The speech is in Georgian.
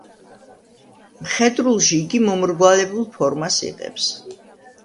მხედრულში იგი მომრგვალებულ ფორმას იღებს.